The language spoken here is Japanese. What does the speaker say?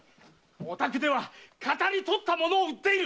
お宅では騙り取った物を売っている！